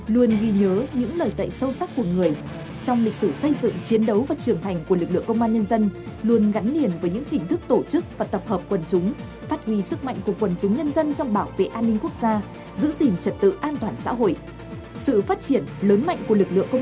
luôn ghi nhớ những lời dạy sâu sắc của người trong lịch sử xây dựng chiến đấu và trưởng thành của lực lượng công an nhân dân luôn gắn liền với những hình thức tổ chức và tập hợp quần chúng phát huy sức mạnh của quần chúng nhân dân trong bảo vệ an ninh tổ quốc